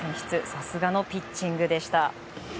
さすがのピッチングでした。